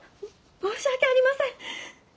申し訳ありません！